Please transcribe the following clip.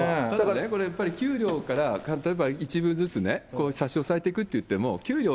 やっぱり、給料から例えば、一部ずつね、差し押さえていくって言ってもね、給料、